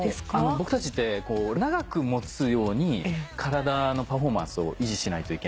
僕たち長く持つように体のパフォーマンスを維持しないといけないので。